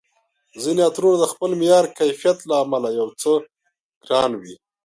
ځیني عطرونه د خپل معیار، کیفیت له امله یو څه ګران وي